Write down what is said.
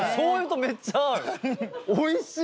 おいしい。